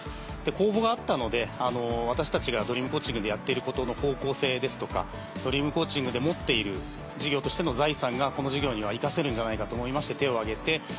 公募があったので私たちがＤｒｅａｍＣｏａｃｈｉｎｇでやっていることの方向性ですとかＤｒｅａｍＣｏａｃｈｉｎｇで持っている事業としての財産がこの事業には生かせるんじゃないかと思いまして手を挙げて。